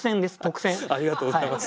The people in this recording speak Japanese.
ありがとうございます。